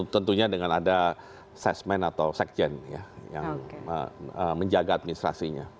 tentunya dengan ada sesmen atau sekjen yang menjaga administrasinya